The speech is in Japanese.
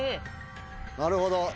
なるほど。